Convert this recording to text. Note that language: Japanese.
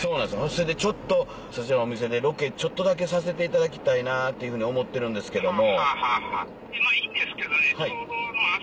それでちょっとそちらのお店でロケちょっとだけさせていただきたいなっていうふうに思ってるんですけども。